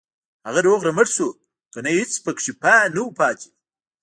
هغه روغ رمټ شو کنه هېڅ پکې نه وو پاتې.